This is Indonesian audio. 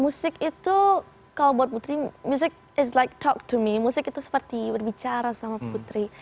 musik itu kalau buat putri musik itu seperti berbicara sama putri